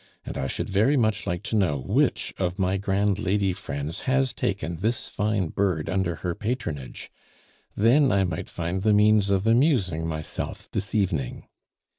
And I should very much like to know which of my grand lady friends has taken this fine bird under her patronage; then I might find the means of amusing myself this evening.